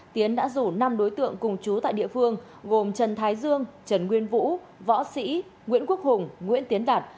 tiến đã rủ năm đối tượng cùng chú tại địa phương gồm trần thái dương trần nguyên vũ võ sĩ nguyễn quốc hùng nguyễn tiến đạt